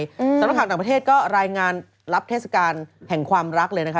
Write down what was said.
สำหรับข่าวต่างประเทศก็รายงานรับเทศกาลแห่งความรักเลยนะคะ